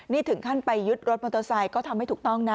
นี่ถึงขั้นไปยึดรถมอเตอร์ไซค์ก็ทำให้ถูกต้องนะ